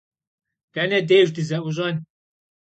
Dene dêjj dıze'uş'en?